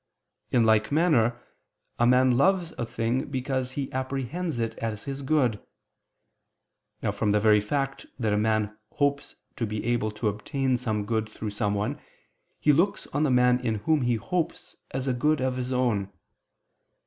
In like manner a man loves a thing because he apprehends it as his good. Now from the very fact that a man hopes to be able to obtain some good through someone, he looks on the man in whom he hopes as a good of his own.